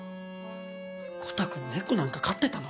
コタくん猫なんか飼ってたの？